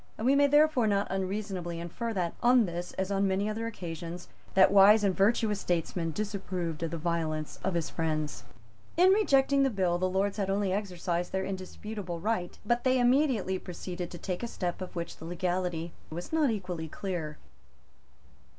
We may therefore not unreasonably infer that, on this as on many other occasions, that wise and virtuous statesman disapproved of the violence of his friends. In rejecting the bill, the Lords had only exercised their indisputable right. But they immediately proceeded to take a step of which the legality was not equally clear.